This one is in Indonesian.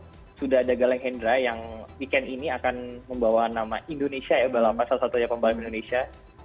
nah sebagai pembalap sudah ada galing hendra yang weekend ini akan membawa nama indonesia ya para pembalap indonesia